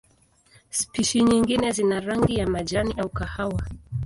Spishi nyingine zina rangi ya majani au kahawa.